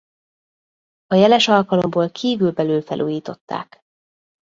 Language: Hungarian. A jeles alkalomból kívül-belül felújították.